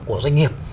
của doanh nghiệp